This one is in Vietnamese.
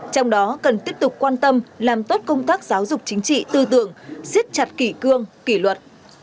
trong đó cần tiếp tục quan tâm làm tốt công tác giáo dục chính trị tư tưởng siết chặt kỷ cương kỷ luật